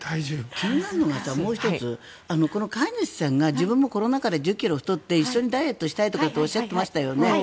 気になるのがもう１つ飼い主さんがコロナ禍で自分も１０ｋｇ太ってダイエットしたいっておっしゃってましたよね。